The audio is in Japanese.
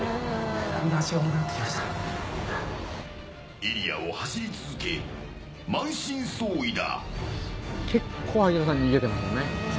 エリアを走り続け満身創痍だ。